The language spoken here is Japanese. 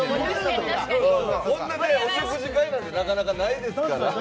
こんな、お食事会なんてなかなかないですから。